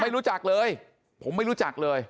ไม่รู้จักเลยผมไม่รู้จักเลย